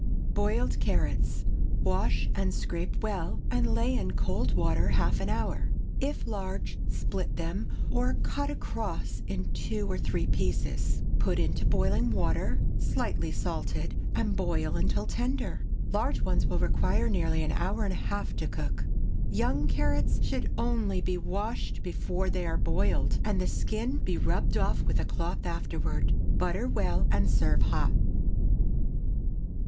BOILED CARROTS. Wash and scrape well, and lay in cold water half an hour. If large, split them, or cut across in two or three pieces. Put into boiling water, slightly salted, and boil until tender. Large ones will require nearly an hour and a half to cook. Young carrots should only be washed before they are boiled, and the skin be rubbed off with a cloth afterward. Butter well, and serve hot.